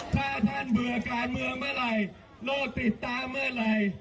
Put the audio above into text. ถ้าท่านเบื่อการเมืองเมื่อไหร่โน้ตติดตามเมื่อไหร่